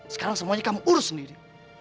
sekarang semuanya kamu urus sendiri